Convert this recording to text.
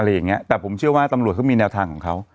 อย่างเงี้ยแต่ผมเชื่อว่าตำรวจเขามีแนวทางของเขา